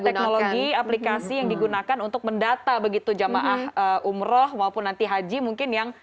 teknologi aplikasi yang digunakan untuk mendata begitu jamaah umroh maupun nanti haji mungkin yang